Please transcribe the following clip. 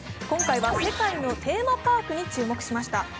今回は世界のテーマパークに注目しました。